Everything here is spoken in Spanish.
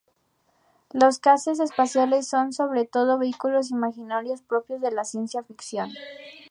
Los cazas espaciales son sobre todo vehículos imaginarios propios de la ciencia ficción.